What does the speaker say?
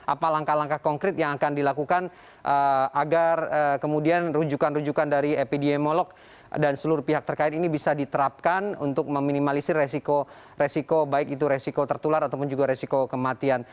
apa langkah langkah konkret yang akan dilakukan agar kemudian rujukan rujukan dari epidemiolog dan seluruh pihak terkait ini bisa diterapkan untuk meminimalisir resiko baik itu resiko tertular ataupun juga resiko kematian